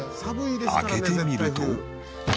開けてみると。